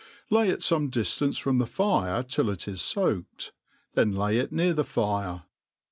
Lay it fome drftance from the firetillit is foaked, then lay it near tht: fire.